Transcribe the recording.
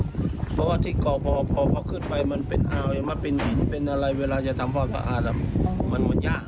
เพราะว่าที่เกาะพอพอพอขึ้นไปมันเป็นอาวุธมันเป็นหินเป็นอะไรเวลาจะทำพ่อสะอาดมันมันยาก